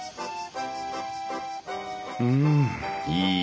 うんいい